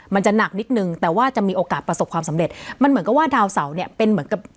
มันจะหนักนิดนึงแต่ว่าจะมีโอกาสประสบความสำเร็จมันเหมือนกับว่าดาวเสาเนี่ยเป็นเหมือนกับ